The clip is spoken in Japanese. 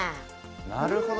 なるほど。